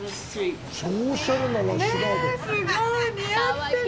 すごい似合ってる。